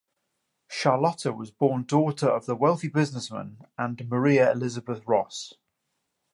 Charlotta was born daughter of the wealthy businessman and Maria Elisabeth Ross.